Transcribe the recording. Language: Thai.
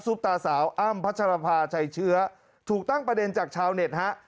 ตาสาวอ้ำพัชรภาชัยเชื้อถูกตั้งประเด็นจากชาวเน็ตฮะ